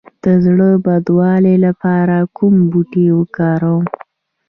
د زړه بدوالي لپاره کوم بوټی وکاروم؟